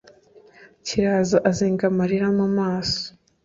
kiraza azenga amarira mumaso